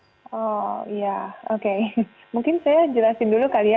oh iya oke mungkin saya jelasin dulu kali ya